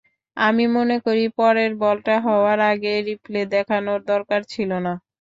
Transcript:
আমি মনে করি, পরের বলটা হওয়ার আগে রিপ্লে দেখানোর দরকার ছিল না।